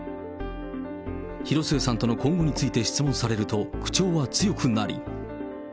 広末さんとの今後について質問されると、口調は強くなり。